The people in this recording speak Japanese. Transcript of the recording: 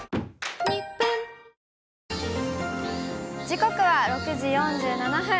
時刻は６時４７分。